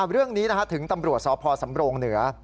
เรื่องนี้ถึงตำรวจสพสำโรงเหนือ